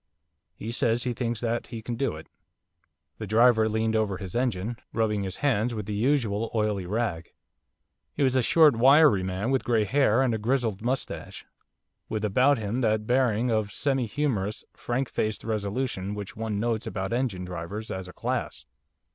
He says he thinks that he can do it.' The driver leaned over his engine, rubbing his hands with the usual oily rag. He was a short, wiry man with grey hair and a grizzled moustache, with about him that bearing of semi humorous, frank faced resolution which one notes about engine drivers as a class.